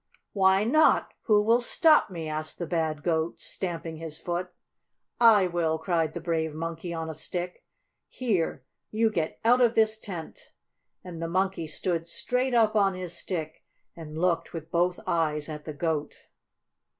"Why not? Who will stop me?" asked the bad Goat, stamping his foot. "I will!" cried the brave Monkey on a Stick. "Here! You get out of this tent!" and the Monkey stood straight up on his stick and looked with both eyes at the goat.